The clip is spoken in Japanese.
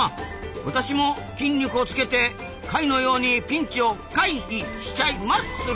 私も筋肉をつけて貝のようにピンチを「回」避しちゃいマッスル！